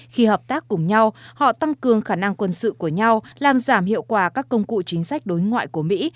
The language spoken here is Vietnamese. khi hợp tác cùng nhau họ tăng cường khả năng quân sự của nhau làm giảm hiệu quả các công cụ chính sách đối ngoại của mỹ